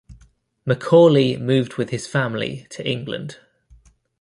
Macaulay moved with his family to England.